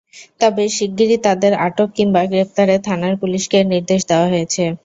তবে শিগগিরই তাঁদের আটক কিংবা গ্রেপ্তারে থানার পুলিশকে নির্দেশ দেওয়া হয়েছে।